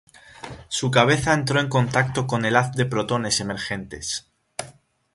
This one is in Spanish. Su cabeza entró en contacto con el haz de protones emergentes.